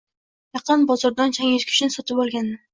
Yaqinda bozordan changyutgichini sotib olgandim.